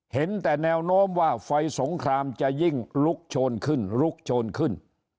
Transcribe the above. เห็นแต่แนวโน้มว่าไฟสงครามจะยิ่งลุกโชนขึ้นลุกโชนขึ้น